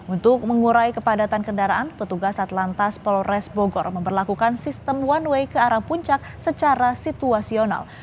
untuk mengurai kepadatan kendaraan petugas atlantas polres bogor memperlakukan sistem one way ke arah puncak secara situasional